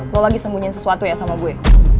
lo lagi sembunyi sesuatu ya sama gue